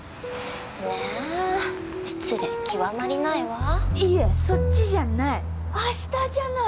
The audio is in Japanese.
ねぇ失礼極まりないわいやそっちじゃない明日じゃない！